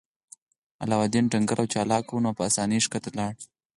علاوالدین ډنګر او چلاک و نو په اسانۍ ښکته لاړ.